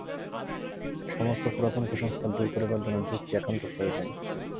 সমস্ত পুরাতন কুসংস্কার দূর করিবার জন্য যুক্তি একান্ত প্রয়োজন।